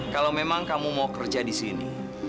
kalau memang kamu mau kerja di sini